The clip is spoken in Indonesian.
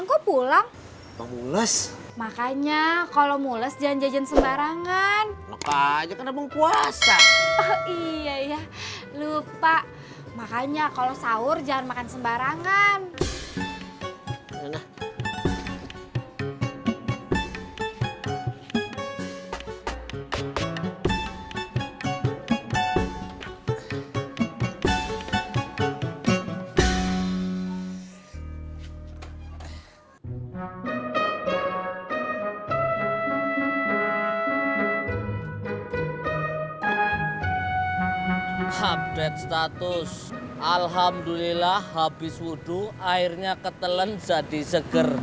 update status alhamdulillah habis wudhu airnya ketelen jadi seger